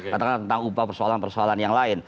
katakanlah tentang upah persoalan persoalan yang lain